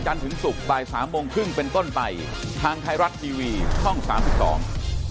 ถึงศุกร์บ่ายสามโมงครึ่งเป็นต้นไปทางไทยรัฐทีวีช่องสามสิบสอง